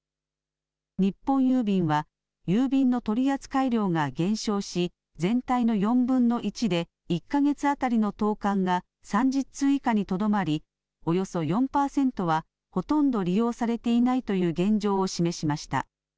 日本郵便は郵便の取扱量が減少し全体の４分の１で１か月当たりの投かんが３０通以下にとどまりおよそ４％はほとんど利用されていないという現状を示しました。